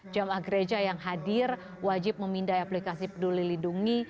jemaah gereja yang hadir wajib memindai aplikasi peduli lindungi